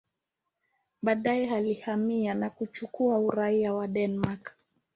Baadaye alihamia na kuchukua uraia wa Denmark.